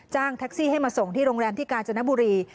แท็กซี่ให้มาส่งที่โรงแรมที่กาญจนบุรี